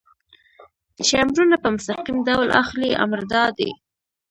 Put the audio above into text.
چې امرونه په مستقیم ډول اخلئ، امر دا دی.